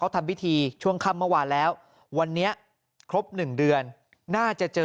ทำพิธีช่วงค่ำเมื่อวานแล้ววันนี้ครบ๑เดือนน่าจะเจอ